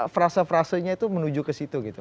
frase frasenya itu menuju ke situ gitu